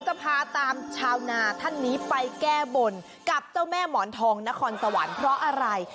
จะพาตามชาวนาท่านนี้ไปแก้บนกับเจ้าแม่หมอนทองนครสวรรค์เพราะอะไร